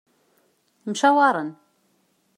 Mcawaren.